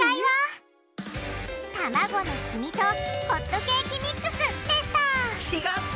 たまごの黄身とホットケーキミックスでしたちがった！